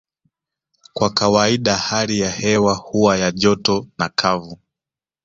Kwa kawaida hali ya hewa huwa ya joto na kavu